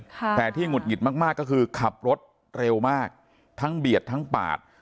แต่ที่หงุดหงิดมากมากก็คือขับรถเร็วมากทั้งเบียดทั้งปาด